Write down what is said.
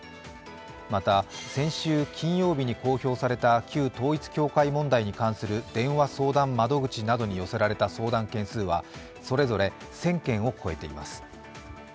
また先週金曜日に公表された旧統一教会問題に関する電話相談窓口などに寄せられた相談件数はそれぞれ１０００件を超えています。